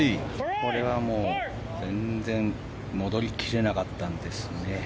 これはもう、全然戻り切れなかったんですね。